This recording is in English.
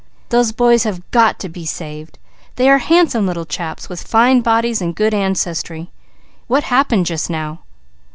Those boys have got to be saved. They are handsome little chaps with fine bodies and good ancestry. What happened just now?"